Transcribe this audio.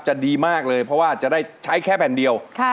จะดีมากเลยเพราะว่าจะได้ใช้แค่แผ่นเดียว